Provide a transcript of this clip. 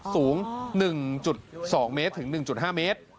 สูง๑๒เมตรถึง๑๕เมตร